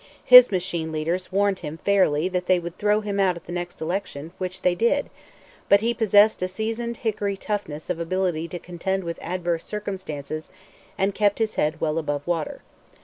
His machine leaders warned him fairly that they would throw him out at the next election, which they did; but he possessed a seasoned hickory toughness of ability to contend with adverse circumstances, and kept his head well above water.